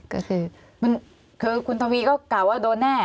คุณทวีก็กล่าวว่าโดนแน่